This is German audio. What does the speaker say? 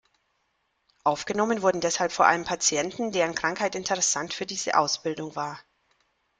Aufgenommen wurden deshalb vor allem Patienten, deren Krankheit interessant für diese Ausbildung war.